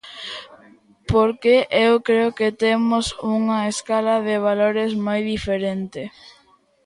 Porque eu creo que temos unha escala de valores moi diferente.